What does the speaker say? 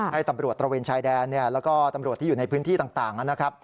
ให้ตำรวจตระเวนชายแดนแล้วก็ตำรวจที่อยู่ในพื้นที่ต่างนะครับ